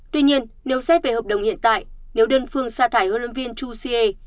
tuy nhiên nếu xét về hợp đồng hiện tại nếu đơn phương xa thải huấn luyện viên chu xie